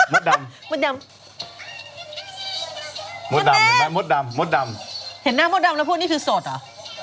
มดดำมดดำมดดำมดดำมดดำเห็นหน้ามดดำแล้วพวกนี้คือสดอ่ะ